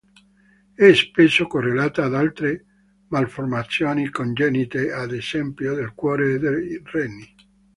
È spesso correlata ad altre malformazioni congenite, ad esempio del cuore o dei reni.